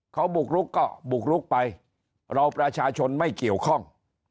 เขาบุกลุกก็บุกลุกไปเราประชาชนไม่เกี่ยวข้อง